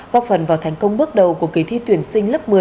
góp phần vào thành công bước đầu của kỳ thi tuyển sinh lớp một mươi